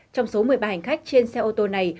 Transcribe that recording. trong số một mươi ba hành khách trên xe ô tô này